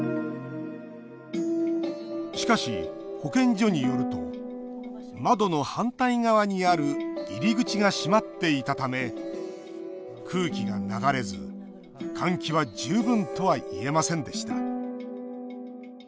しかし、保健所によると窓の反対側にある入り口が閉まっていたため空気が流れず換気は十分とは言えませんでした。